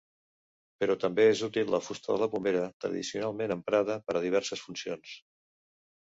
Però també és útil la fusta de la pomera, tradicionalment emprada per a diverses funcions.